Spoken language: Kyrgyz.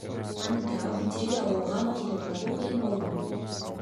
Аны таап, интервью алууга макулдугун алуу кыйын болду.